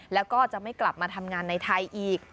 แล้วก็จะไม่กลับมาทำงานในไทยอีก